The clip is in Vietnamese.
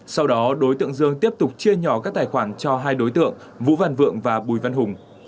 sau đó đối tượng dương tiếp tục chia nhỏ các tài khoản cho hai đối tượng vũ văn vượng và bùi văn hùng